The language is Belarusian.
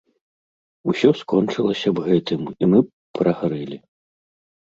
Усё скончылася б гэтым, і мы б прагарэлі.